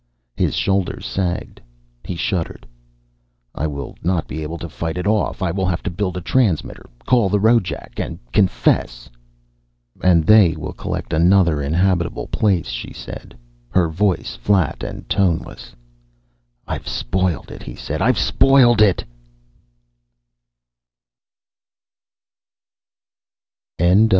His shoulders sagged. He shuddered. "I will not be able to fight it off. I will have to build a transmitter, call the Rojac and confess!" "And they will collect another inhabitable place," she said, her voice flat and toneless. "I've spoiled it," he said. "I've spoiled it!"